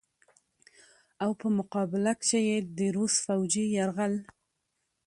او په مقابله کښې ئې د روس فوجي يرغل